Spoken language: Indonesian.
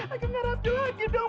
aku ngarap dia lagi dong